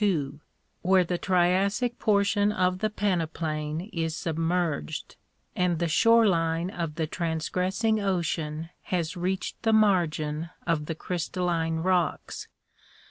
2, where the Triassic portion of the peneplain is submerged, and the shore line of the transgressing ocean has reached the margin of the crystalline rocks.